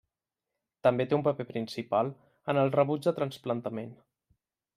També té un paper principal en el rebuig de trasplantament.